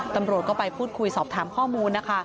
ตำรวจก็ไปพูดคุยสอบถามข้อมูลนะคะ